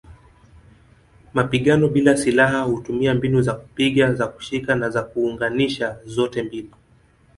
Mapigano bila silaha hutumia mbinu za kupiga, za kushika na za kuunganisha zote mbili.